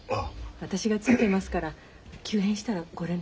私がついてますから急変したらご連絡いたします。